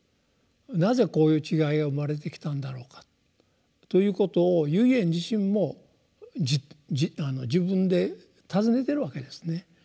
「なぜこういう違いが生まれてきたんだろうか」ということを唯円自身も自分で尋ねてるわけですね。